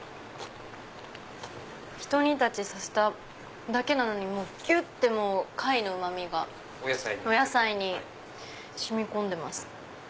ひと煮立ちさせただけなのにぎゅって貝のうまみがお野菜に染み込んでます。